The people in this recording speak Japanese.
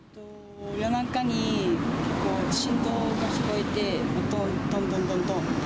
夜中に振動が聞こえて、どんどんどんどんって。